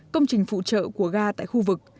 công trình phụ trợ của gà tại khu vực